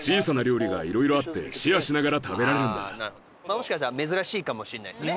もしかしたら珍しいかもしれないですね。